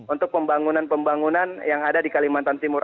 untuk pembangunan pembangunan yang ada di kalimantan timur